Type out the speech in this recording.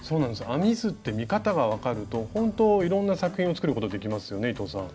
編み図って見方が分かるとほんといろんな作品を作ることができますよね伊藤さん。